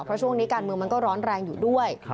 เพราะช่วงนี้การเมืองมันก็ร้อนแรงอยู่ด้วย